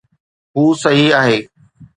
هو صحيح آهي